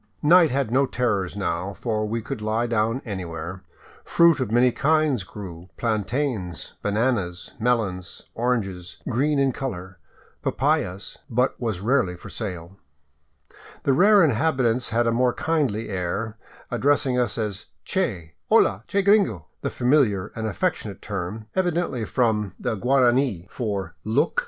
Night had no terrors now, for we could lie down anywhere. Fruit of many kinds grew, — plantains, bananas, melons, oranges green in color, papayas, — but was rarely for sale. The rare inhabitants had a more kindly air, addressing us as " Che "—" Hola, che gringo !'*— the familiar and affectionate term, evidently from the Guarani for " Look !